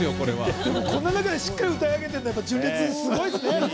こんな中でしっかり歌い上げてるの純烈すごいですね。